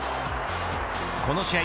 この試合